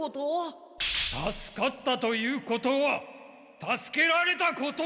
助かったということは助けられたこと！